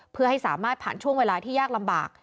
เพื่อให้สามารถผ่านช่วงเวลาที่ยากลำบาก